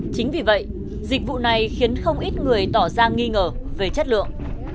chính vì vậy dịch vụ này khiến không ít người tỏ ra nghi ngờ về chất lượng